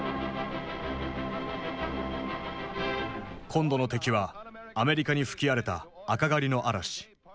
今度の敵はアメリカに吹き荒れた「赤狩り」の嵐。